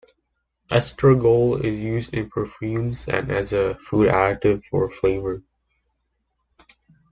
Estragole is used in perfumes and as a food additive for flavor.